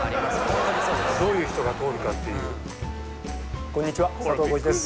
ホントにそうですどういう人が通るかっていうこんにちは佐藤浩市です